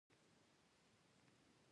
پنځه وخته لمونځ وکړئ